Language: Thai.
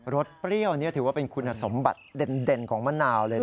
สเปรี้ยวนี่ถือว่าเป็นคุณสมบัติเด่นของมะนาวเลย